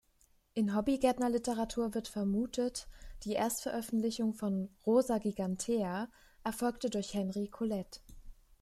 In Hobbygärtner-Literatur wird vermutet: Die Erstveröffentlichung von "Rosa gigantea" erfolgte durch Henry Collett.